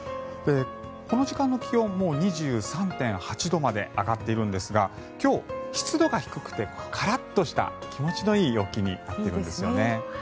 この時間の気温もう２３．８度まで上がっているんですが今日、湿度が低くてカラッとした気持ちのいい陽気になっているんですね。